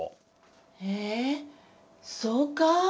えそうか？